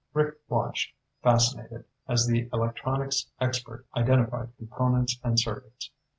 Rick watched, fascinated, as the electronics expert identified components and circuits.